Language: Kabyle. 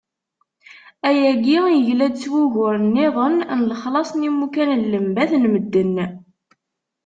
Ayagi yegla-d s wugur-nniḍen n lexṣaṣ n yimukan n lembat n medden.